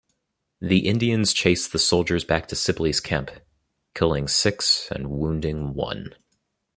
The Indians chased the soldiers back to Sibley's camp, killing six and wounding one.